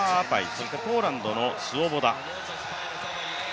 そしてポーランドのスウォボダ。